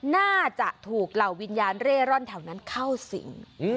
น่าจะถูกเหล่าวิญญาณเร่ร่อนแถวนั้นเข้าสิง